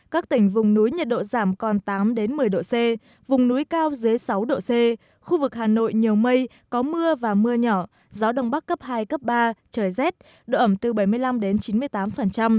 các tỉnh vùng núi nhiệt độ giảm còn tám một mươi độ c vùng núi cao dưới sáu độ c khu vực hà nội nhiều mây có mưa và mưa nhỏ gió đông bắc cấp hai cấp ba trời rét độ ẩm từ bảy mươi năm đến chín mươi tám